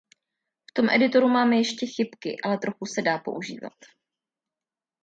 V tom editoru máme ještě chybky, ale trochu se dá používat.